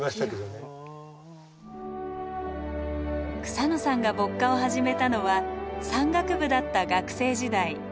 草野さんが歩荷を始めたのは山岳部だった学生時代。